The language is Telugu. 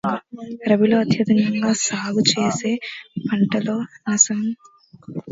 రబీలో అత్యధికంగా సాగు చేసే పంటల్లో శనగ ఒక్కటి.